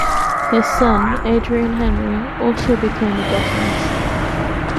His son Adrien-Henri also became a botanist.